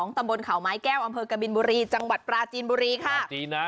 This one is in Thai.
ตำบลเขาไม้แก้วอำเภอกบินบุรีจังหวัดปราจีนบุรีค่ะจีนนะ